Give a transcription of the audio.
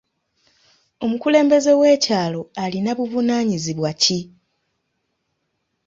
Omukulembeze w'ekyalo alina buvunaanyizibwa ki?